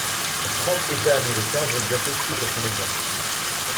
Trente États américains vont bientôt suivre son exemple.